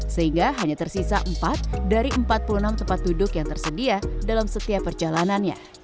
sehingga hanya tersisa empat dari empat puluh enam tempat duduk yang tersedia dalam setiap perjalanannya